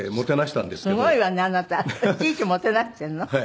すごいわねあなた。いちいちもてなしているの？